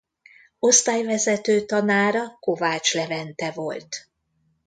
Osztályvezető tanára Kovács Levente volt.